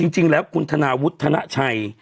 จริงแล้วคุณธนาวุฒนาชัย